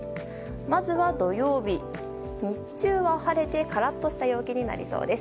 まずは土曜日、日中は晴れてカラッとした陽気になりそうです。